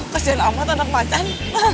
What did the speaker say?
kasian amat anak macan